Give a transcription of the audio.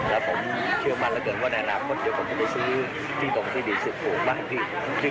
แล้วผมเชื่อมันตะเกินว่าในอนาคตเดี๋ยวผมจะซื้อที่ตรงที่ดี๑๖บ้านที่ชื่อผมอยู่